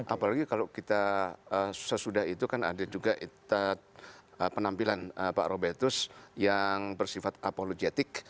apalagi kalau kita sesudah itu kan ada juga penampilan pak robertus yang bersifat apologetik